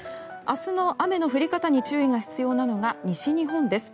明日の雨の降り方に注意が必要なのが西日本です。